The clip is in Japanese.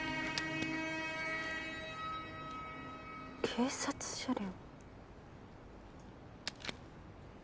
警察車両？